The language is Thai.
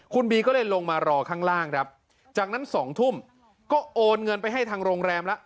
คุณบีก็เลยลงมารอข้างล่างครับจากนั้น๒ทุ่มก็โอนเงินไปให้ทางโรงแรมแล้ว